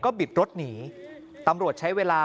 บิดรถหนีตำรวจใช้เวลา